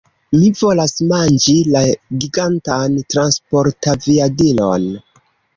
Mi volas manĝi la gigantan transportaviadilon!